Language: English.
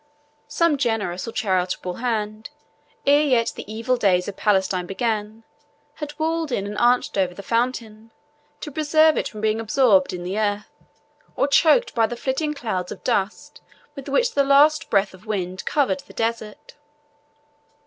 Some generous or charitable hand, ere yet the evil days of Palestine began, had walled in and arched over the fountain, to preserve it from being absorbed in the earth, or choked by the flitting clouds of dust with which the least breath of wind covered the desert.